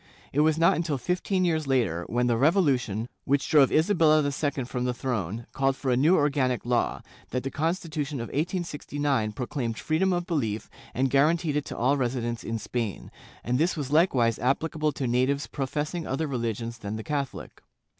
It was not until fifteen years later, when the revolution, which drove Isabella II from the throne, called for a new organic law, that the Constitution of 1869 proclaimed freedom of belief and guaranteed it to all resi dents in Spain, and this was likewise applicable to natives pro fessing other religions than the Catholic.